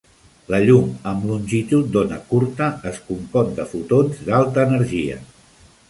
La llum amb longitud d'ona curta es compon de fotons d'alta energia.